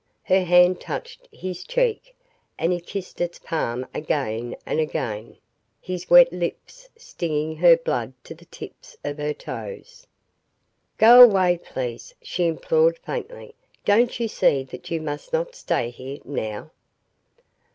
Her hand touched his cheek, and he kissed its palm again and again, his wet lips stinging her blood to the tips of her toes. "Go away, please," she implored faintly. "Don't you see that you must not stay here now?"